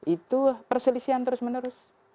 itu perselisian terus menerus